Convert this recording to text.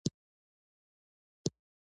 موږ د افسانو له لارې خپل ژوند معنیدار کړی دی.